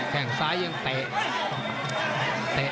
แค่งซ้ายยังเตะ